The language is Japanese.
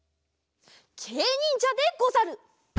けいにんじゃでござる。